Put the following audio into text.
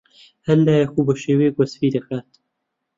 هەر لایەو بەشێوەیەک وەسفی دەکات